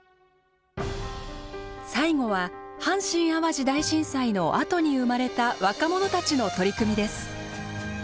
最後は阪神・淡路大震災のあとに生まれた若者たちの取り組みです。